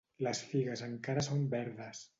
Les figues encara són verdes.